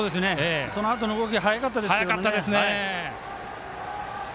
そのあとの動きが早かったです。